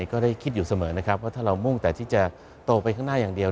ก็ได้คิดอยู่เสมอนะครับว่าถ้าเรามุ่งแต่ที่จะโตไปข้างหน้าอย่างเดียว